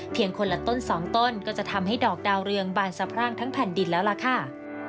คนละต้นสองต้นก็จะทำให้ดอกดาวเรืองบานสะพรั่งทั้งแผ่นดินแล้วล่ะค่ะ